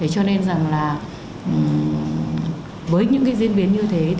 cho nên với những diễn biến như thế